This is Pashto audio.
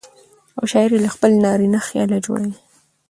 او شاعر يې له خپل نارينه خياله جوړوي.